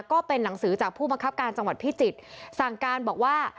ก็เป็นหนังสือจากผู้บังคับการจังหวัดพิจิตรสั่งการบอกว่า